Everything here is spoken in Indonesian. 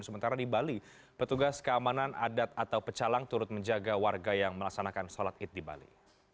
sementara di bali petugas keamanan adat atau pecalang turut menjaga warga yang melaksanakan sholat id di bali